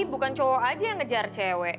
bukan cowok aja yang ngejar cewek